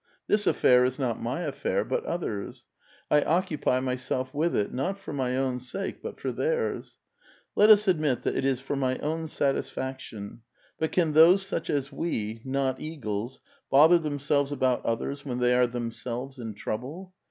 This affair is not my affair, but others'. I occupy myself with it, not for my own sake, but for thcii*s. Let us admit that it is for my own satisfac tion ; but can those such as we — not eagles — bother them selves about others when thev are themselves in trouble